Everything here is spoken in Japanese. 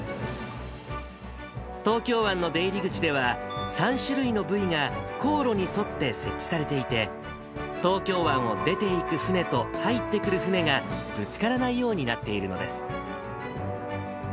東京湾の出入り口では、３種類のブイが航路に沿って設置されていて、東京湾を出ていく船と入ってくる船がぶつからないようになっているのです。